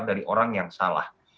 dari orang yang salah